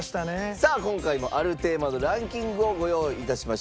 さあ今回もあるテーマのランキングをご用意いたしました。